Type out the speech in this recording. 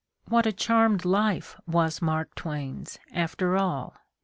What a charmed life was Mark Twain's, after all!